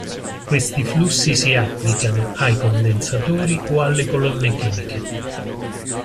Questi flussi si applicano ai condensatori o alle colonne chimiche.